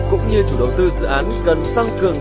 cũng như chủ đầu tư dự án cần tăng cường